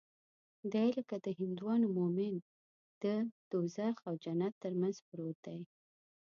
دى لکه د هندوانو مومن د دوږخ او جنت تر منځ پروت دى.